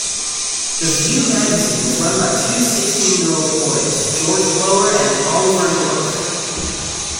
The View Magazine is run by two sixteen-year-old boys; George Blower and Oliver Yorke.